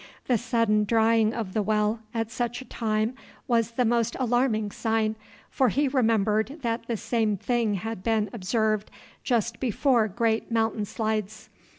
The sudden drying of the well at such a time was the most alarming sign; for he remembered that the same thing had been observed just before great mountain slides.